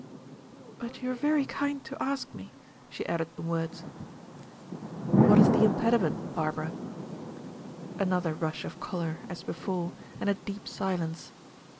"But you are very kind to ask me," she added in words. "What is the impediment, Barbara?" Another rush of color as before and a deep silence.